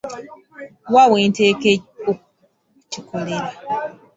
Wa wenteekwa okukikolera ?